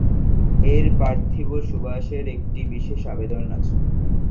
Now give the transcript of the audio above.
এর "পার্থিব সুবাস" এর একটি বিশেষ আবেদন আছে।